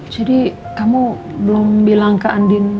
jadi kamu belum bilang ke andin